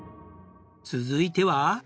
続いては。